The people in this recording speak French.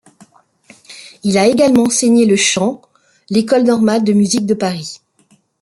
Il a également enseigné le chant l’École normale de musique de Paris.